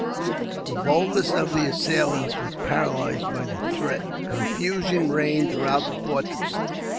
The boldest of the assailants were paralysed by the threat. Confusion reigned throughout the fortress.